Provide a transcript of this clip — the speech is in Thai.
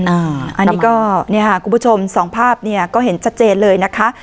อันนี้ก็คุณผู้ชมสองภาพก็เห็นชัดเจนเลยนะคะ